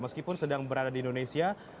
meskipun sedang berada di indonesia